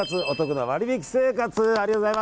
おトクな割引生活。